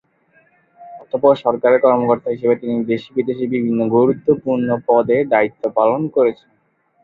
অতঃপর সরকারের কর্মকর্তা হিসেবে তিনি দেশে-বিদেশে বিভিন্ন গুরুত্বপূর্ণ পদে দায়িত্ব পালন করেছেন।